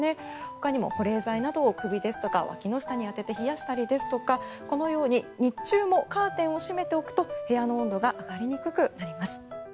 ほかにも保冷剤などを首やわきの下に当てて冷やしたりですとかこのように日中もカーテンを閉めておくと部屋の温度が上がりにくくなります。